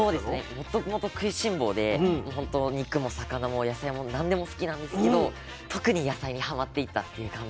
もともと食いしん坊でもうほんと肉も魚も野菜も何でも好きなんですけど特に野菜にハマっていったっていう感じで。